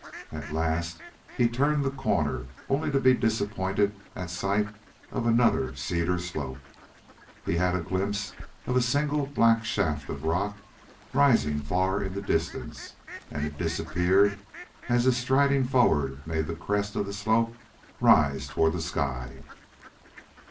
At last he turned the corner, only to be disappointed at sight of another cedar slope. He had a glimpse of a single black shaft of rock rising far in the distance, and it disappeared as his striding forward made the crest of the slope rise toward the sky.